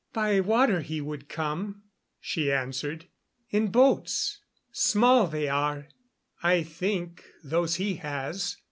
"By water he would come," she answered. "In boats small they are, I think, those he has.